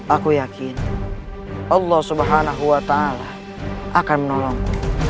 aku yakin allah subhanahu wa ta'ala akan menolongku